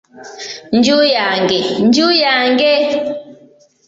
"Nju yange nju yange?"